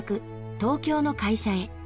東京の会社へ。